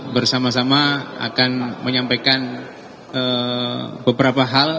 bersama sama akan menyampaikan beberapa hal